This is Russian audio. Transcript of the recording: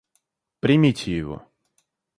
Примите его.